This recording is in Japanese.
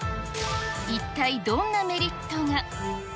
一体どんなメリットが。